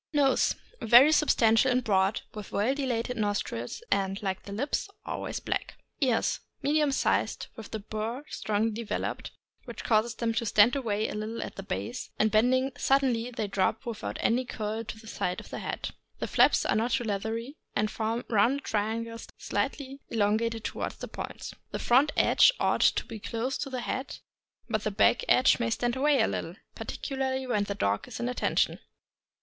Nose. — Very substantial and broad, with well dilated nostrils, and, like the lips, always black. Ears. — Medium sized, with the burr strongly developed, which causes them to stand away slightly at the base, and bending suddenly they drop without any curl close to the side of the head. The flaps are not too leathery, and form rounded triangles slightly elongated toward the points. The front edge ought to be close to the head, but the back edge may stand away a little, particularly when the dog is in attention.